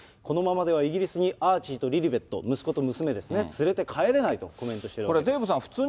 このままではイギリスにアーチーとリリベット、息子と娘ですね、連れて帰れないとコメントしているわけなんです。